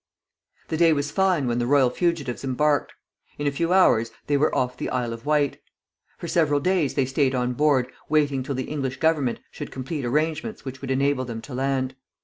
The day was fine when the royal fugitives embarked. In a few hours they were off the Isle of Wight. For several days they stayed on board, waiting till the English Government should complete arrangements which would enable them to land.